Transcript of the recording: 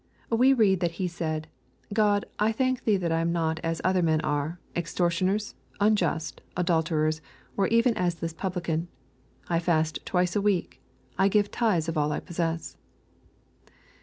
We read that he said, '^ God, I thank thee that I am not as other men are, extortioners, unjust, adulterers, or even as this publican. I fast twice in the week. I give tithes of all I possess."